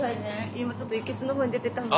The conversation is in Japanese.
今ちょっといけすの方へ出てたので。